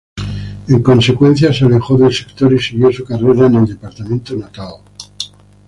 En consecuencia, se alejó del sector y siguió su carrera en el departamento natal.